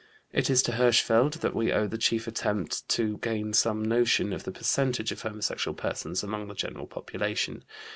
It is to Hirschfeld that we owe the chief attempt to gain some notion of the percentage of homosexual persons among the general population.